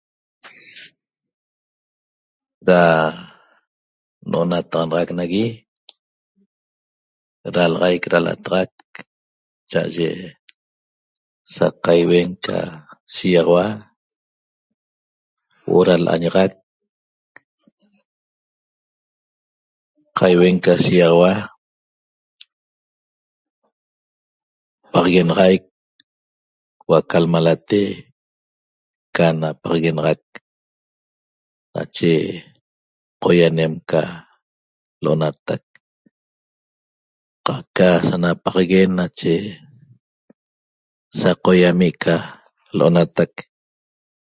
Ra no’onatanaxac nagui ralaxaic ra lataxac cha'aye saqaiuen ca shigaxaua huo'o ra lañaxac qaiuen ca shigaxaua paxaguenaxaic huo'o aca lmalate ca napaxaguenaxac nache qoianem' ca lo’onatac ca'aca sanapaxaguen nache saqoiami' ca lo'onatac